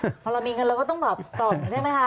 พอเรามีเงินเราก็ต้องแบบส่องใช่ไหมคะ